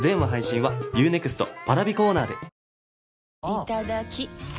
いただきっ！